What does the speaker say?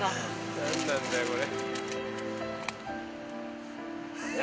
何なんだよこれ。